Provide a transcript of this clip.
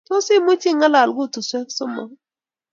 Tos imuchi ing'alan koteswek somok